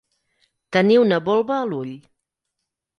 Tenir una volva a l'ull.